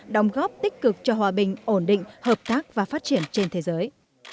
đóng góp tích cực cho hòa bình ổn định hợp tác và phát triển trên thế giới